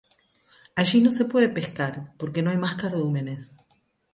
Allí no se puede pescar, porque no hay más cardúmenes.